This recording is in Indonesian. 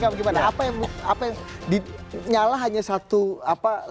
apa yang nyala hanya satu letupan kecil